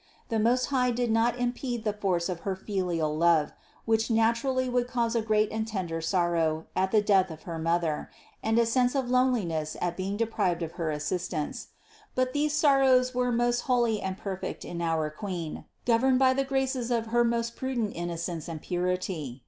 The Most High did not impede the force of her filial love, which naturally would cause a great and tender sorrow at the death of her mother and a sense of loneliness at being deprived of her assistance. But these sorrows were most holy and perfect in our Queen, governed by the graces of her most prudent innocence and purity.